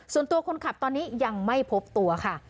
ส่วนตัวคนขับตอนนี้ยังไม่พบตัวค่ะ